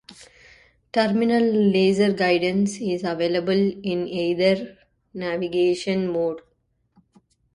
Terminal laser guidance is available in either navigation mode.